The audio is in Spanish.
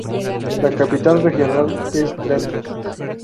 La capital regional es Trento.